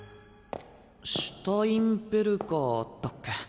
シュタインベルガーだっけ？